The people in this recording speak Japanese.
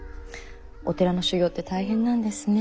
お寺の修行って大変なんですね。